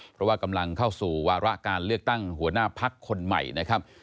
เพราะว่ากำลังเข้าสู่วาระการเลือกตั้งหัวหน้าพักคนใหม่นะครับ